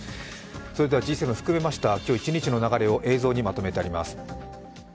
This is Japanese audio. Ｇ７含めました今日一日の流れを映像にまとめてあります。